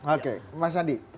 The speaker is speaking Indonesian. oke mas andi